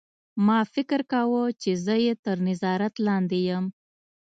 ما فکر کاوه چې زه یې تر نظارت لاندې یم